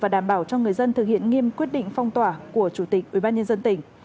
dân thực hiện nghiêm quyết định phong tỏa của chủ tịch ủy ban nhân dân tỉnh